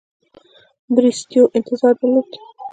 بریسټو انتظار درلود.